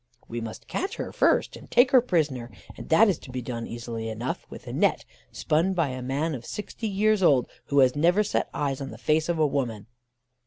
"'We must catch her first, and take her prisoner, and that is to be done easily enough, with a net, spun by a man of sixty years old, who has never set eyes on the face of woman.